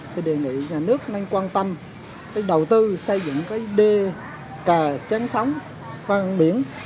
thì đề nghị nhà nước nên quan tâm đầu tư xây dựng cái đê cà tráng sóng phan biển